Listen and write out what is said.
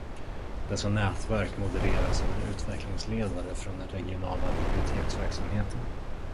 Dessa nätverk modereras av en utvecklingsledare från den regionala biblioteksverksamheten.